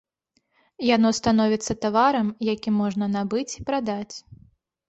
Яно становіцца таварам, які можна набыць і прадаць.